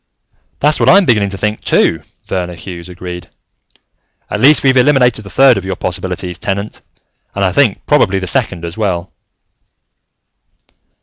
"That's what I'm beginning to think, too," Verner Hughes agreed. "At least, we've eliminated the third of your possibilities, Tenant. And I think probably the second, as well."